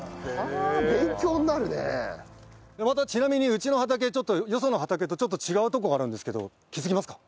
またちなみにうちの畑ちょっとよその畑とちょっと違うとこがあるんですけど気づきますか？